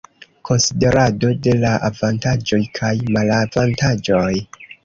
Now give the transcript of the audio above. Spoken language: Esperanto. Konsiderado de avantaĝoj kaj malavantaĝoj.